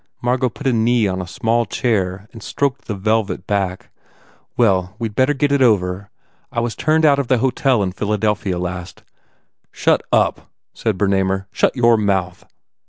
Margot put a knee on a small chair and stroked the velvet back. "Well, we d better get it over. I was turned out of the hotel in Philadelphia last " "Shut up," said Bernamer, "Shut your mouth!"